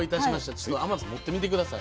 ちょっと天野さん持ってみて下さい。